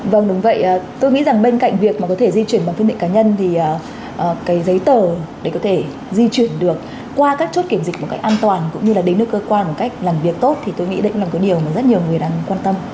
vâng đúng vậy tôi nghĩ rằng bên cạnh việc mà có thể di chuyển bằng phương tiện cá nhân thì cái giấy tờ để có thể di chuyển được qua các chốt kiểm dịch một cách an toàn cũng như là đến nước cơ quan một cách làm việc tốt thì tôi nghĩ đấy là một cái điều mà rất nhiều người đang quan tâm